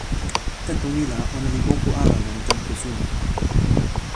tenpo ni la ona li moku ala lon tenpo suno.